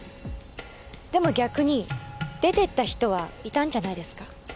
でも逆に出ていった人はいたんじゃないですか？